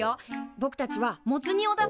ぼくたちはモツ煮を出すの。